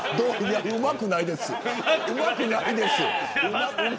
うまくないです。